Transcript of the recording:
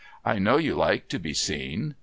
— I know you like to be seen.' Mr.